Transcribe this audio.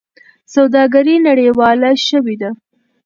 سوداګري نړیواله شوې ده.